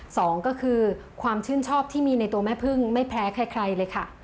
สองก็คือความชื่นชอบที่มีในตัวแม่พึ่งไม่แพ้ใครเลยค่ะ